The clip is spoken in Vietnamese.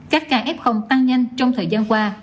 các ca f tăng nhanh trong thời gian qua